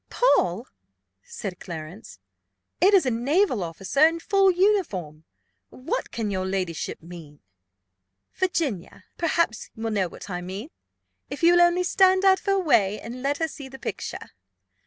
"Paul!" said Clarence; "it is a naval officer in full uniform: what can your ladyship mean?" "Virginia perhaps will know what I mean, if you will only stand out of her way, and let her see the picture."